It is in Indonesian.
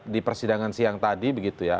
di persidangan siang tadi begitu ya